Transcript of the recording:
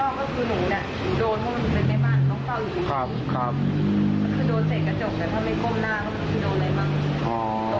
คือโดนเสร็จกระจกแต่พอไม่ก้มหน้าก็คือโดนไหนบ้าง